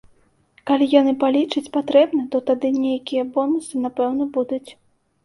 Калі яны палічаць патрэбным, то тады нейкія бонусы, напэўна, будуць.